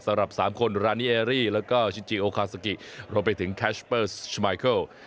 สำหรับ๓คนรานีเอรี่แล้วก็ชิจิโอคาซากิรวมไปถึงแคชเปอร์สมายเคิล